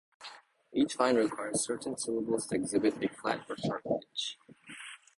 Each line requires certain syllables to exhibit a "flat" or "sharp" pitch.